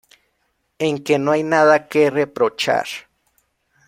en que no hay nada que reprochar